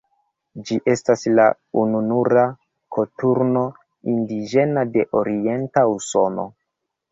Ĝi estas la ununura koturno indiĝena de orienta Usono.